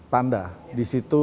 tanda di situ